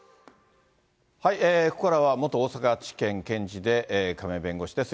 ここからは元大阪地検検事で、亀井弁護士です。